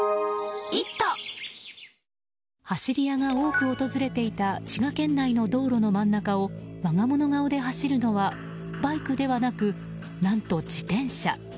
走り屋が多く訪れていた滋賀県内の道路の真ん中を我が物顔で走るのはバイクではなく何と自転車。